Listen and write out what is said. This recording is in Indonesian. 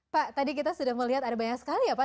pak tadi kita sudah melihat ada banyak sekali ya pak